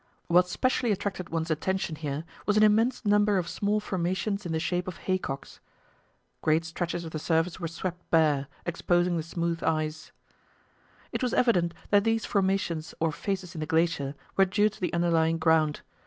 What specially attracted one's attention here was an immense number of small formations in the shape of haycocks. Great stretches of the surface were swept bare, exposing the smooth ice. It was evident that these various formations or phases in the glacier were due to the underlying ground.